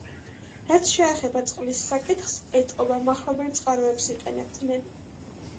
რაც შეეხება წყლის საკითხს, ეტყობა, მახლობელ წყაროებს იყენებდნენ.